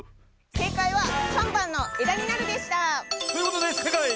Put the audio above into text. せいかいは３ばんのえだになるでした！ということでせいかい！